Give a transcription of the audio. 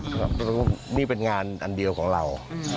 เพราะนี่เป็นงานอันเดียวของเรา